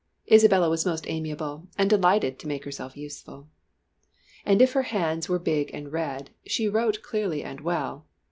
Isabella was most amiable and delighted to make herself useful. And if her hands were big and red, she wrote clearly and well.